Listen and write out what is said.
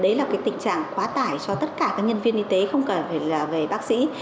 đấy là tình trạng quá tải cho tất cả nhân viên y tế không cả bác sĩ